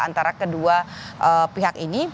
antara kedua pihak ini